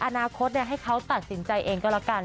อนาคตให้เขาตัดสินใจเองก็แล้วกัน